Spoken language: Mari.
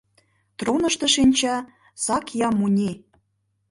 Тронышто шинча Сак-я-Муни.